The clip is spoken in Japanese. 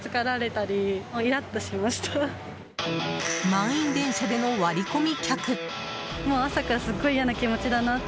満員電車での割り込み客。